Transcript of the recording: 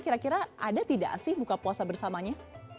kira kira ada tidak sih buka puasa bersamanya